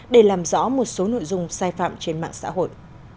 để làm rõ một số nội dung sai phạm trên mạng xã hội